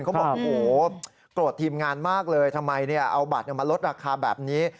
เขาบอกโอ้โหโกรธทีมงานมากเลยทำไมเอาบัตรมาลดราคาแบบนี้